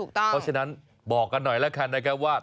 เพราะฉะนั้นบอกกันหน่อยแล้วกันนะครับว่า